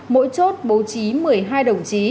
mỗi chốt bố trí một mươi hai đồng chí